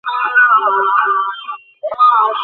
দেখো, নীলা আমার সয় না, ওটা তোমাকে ছাড়তে হবে।